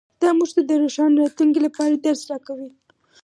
دا موږ ته د روښانه راتلونکي لپاره درس راکوي